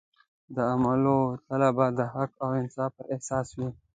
د اعمالو تله به د حق او انصاف پر اساس وي.